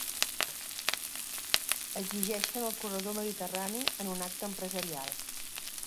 Exigeixen el corredor mediterrani en un acte empresarial